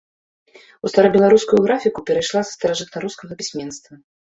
У старабеларускую графіку перайшла са старажытнарускага пісьменства.